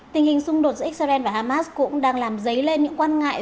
tình hình xung đột giữa x bảy và hamas cũng đang làm dấy lên những quan ngại